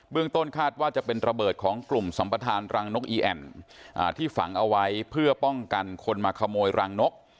ต้นคาดว่าจะเป็นระเบิดของกลุ่มสัมประธานรังนกอีแอ่นที่ฝังเอาไว้เพื่อป้องกันคนมาขโมยรังนก